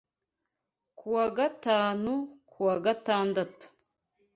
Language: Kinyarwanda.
Ku wa Gatanu ku wa Gatandatu